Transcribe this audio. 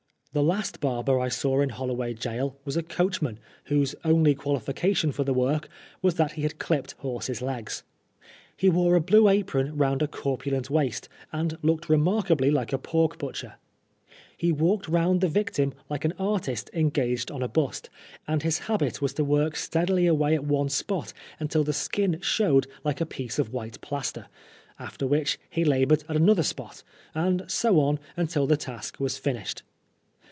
The last barber I saw in Holloway Gaol was a coachman, whose only qualification for the work was that he had clipped horses' legs. He wore a blue apron round a corpulent waist, and looked remarkably like a pork butcher. He walked round the victim like an artist engaged on a bust, and his habit was to work steadily away at one spot until the skin showed like a piece of white plaster, after which he labored at another spot, and so on, until the task was finished.